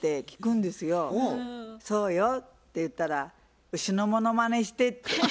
「そうよ」って言ったら「牛のモノマネして」って。